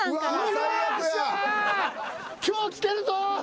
今日きてるぞ！